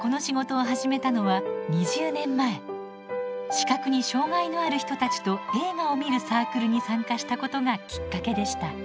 視覚に障がいのある人たちと映画を観るサークルに参加したことがきっかけでした。